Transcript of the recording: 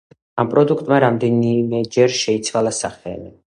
ამ პროდუქტმა რამდენიმეჯერ შეიცვალა სახელი.